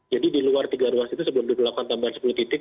jadi di luar tiga ruas itu sebelum dilakukan tambahan sepuluh titik